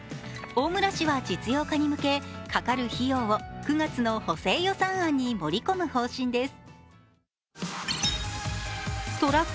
大村市は実用化に向けかかる費用を９月の補正予算案に盛り込む方針です。